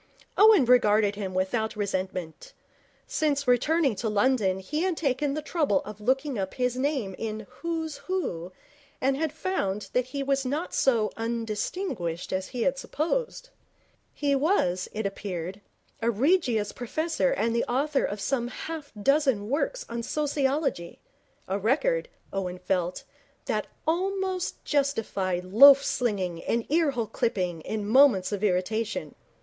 Owen regarded him without resentment. Since returning to London he had taken the trouble of looking up his name in Who's Who and had found that he was not so undistinguished as he had supposed. He was, it appeared, a Regius Professor and the author of some half dozen works on sociology a record, Owen felt, that almost justified loaf slinging and ear hole clipping in moments of irritation.